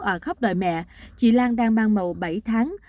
ở khắp đời mẹ chị lan đang mang màu bảy tháng